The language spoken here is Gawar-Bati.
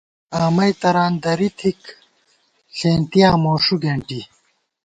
آمَئی تران دَرِی تھِک ، ݪېنتِیاں موݭُو گېنٹی